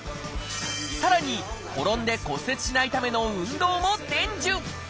さらに転んで骨折しないための運動も伝授。